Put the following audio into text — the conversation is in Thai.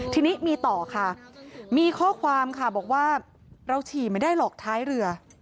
ทีนี้มีต่อค่ะมีข้อความค่ะบอกว่าเราฉี่ไม่ได้หรอกท้ายเรือ